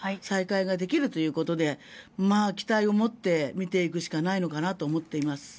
再開ができるということで期待を持って見ていくしかないと思っています。